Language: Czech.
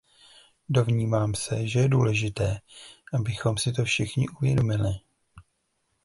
Domnívám se, že je důležité, abychom si to všichni uvědomili.